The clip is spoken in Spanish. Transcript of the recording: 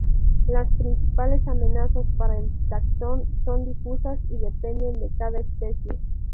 Las principales amenazas para el taxón son difusas y dependen de cada especie.